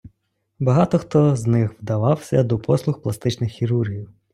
Багато хто з них вдавався до послуг пластичних хірургів.